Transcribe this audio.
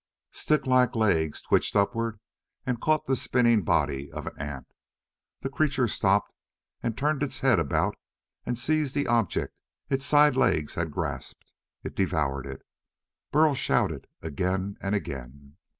Sticklike legs twitched upward and caught the spinning body of an ant. The creature stopped, and turned its head about and seized the object its side legs had grasped. It devoured it. Burl shouted again and again.